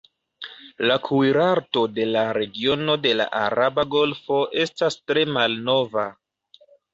La kuirarto de la regiono de la araba golfo estas tre malnova.